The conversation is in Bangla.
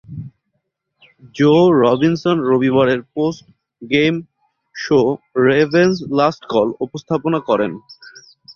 জো রবিনসন রবিবারের post game show "Ravens last call" উপস্থাপনা করেন।